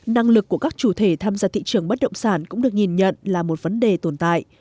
năng lực của các chủ thể tham gia thị trường bất động sản cũng được nhìn nhận là một vấn đề tồn tại